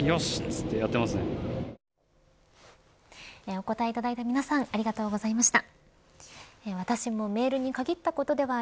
お答えいただいた皆さんありがとうございました。